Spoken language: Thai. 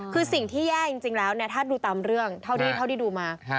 คือสิ่งที่แย่จริงแล้วถ้าดูตามเรื่องเท่าที่ดูมา